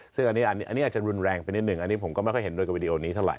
ซึ่งอันนี้อาจจะรุนแรงไปนิดนึงอันนี้ผมก็ไม่ค่อยเห็นโดยกับวิดีโอนี้เท่าไ